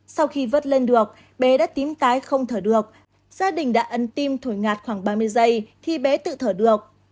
sau khi vớt lên được bé đã tím tái không thở được gia đình đã ấn tim thổi ngạt khoảng ba mươi giây thì bé tự thở được